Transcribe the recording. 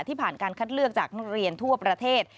ผ่านการคัดเลือกจากนักเรียนทั่วประเทศ